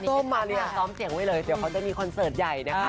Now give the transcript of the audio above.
ส้มมาเรียซ้อมเสียงไว้เลยเดี๋ยวเขาจะมีคอนเสิร์ตใหญ่นะคะ